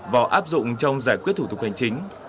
vào áp dụng trong giải quyết thủ tục hành chính